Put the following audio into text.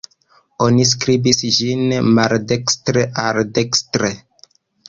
Oni skribis ĝin maldekstr-al-dekstre.